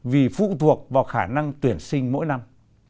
vì phụ thuộc vào khả năng tuyển sinh mỗi năm